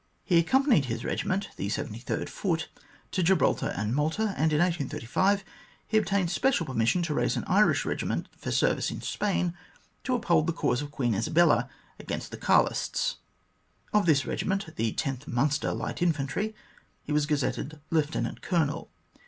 He accompanied his regiment, the 73rd Foot, to Gibraltar and Malta, and in 1835 he obtained permission to raise an Irish regiment for service in Spain to uphold the cause of Queen Isabella against the Carlists. Of this regiment, the 10th Minister Light Infantry, he was gazetted Lieutenant Colonel.